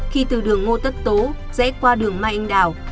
khi từ đường ngô tất tố rẽ qua đường mai anh đào